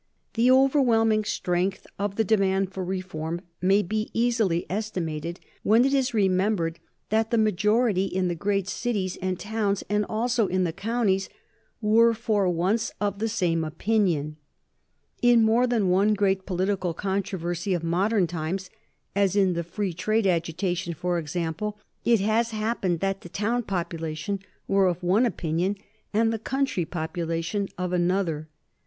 The overwhelming strength of the demand for reform may be easily estimated when it is remembered that the majority in the great cities and towns, and also in the counties, were for once of the same opinion. In more than one great political controversy of modern times, as in the free trade agitation for example, it has happened that the town population were of one opinion and the county population of another.